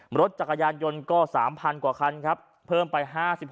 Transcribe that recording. รถจักรยานยนต์ก็๓๐๐กว่าคันครับเพิ่มไป๕๖